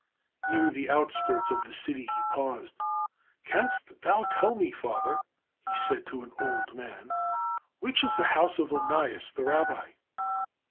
Near the outskirts of the city he paused. "Canst thou tell me, father," he said to an old man, "which is the house of Onias, the rabbi?"